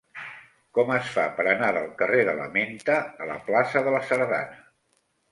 Com es fa per anar del carrer de la Menta a la plaça de la Sardana?